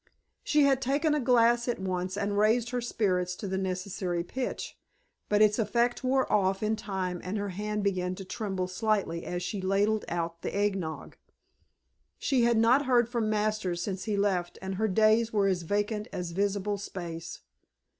She had taken a glass at once and raised her spirits to the necessary pitch; but its effect wore off in time and her hand began to tremble slightly as she ladled out the eggnog. She had not heard from Masters since he left and her days were as vacant as visible space.